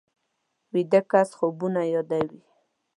ویده کس خوبونه یادوي